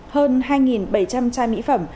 hơn hai bảy trăm linh chai mỹ phẩm